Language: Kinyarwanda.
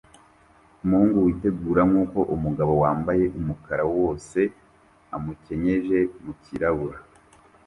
Umuhungu witegura nkuko umugabo wambaye umukara wose amukenyeje mukirabura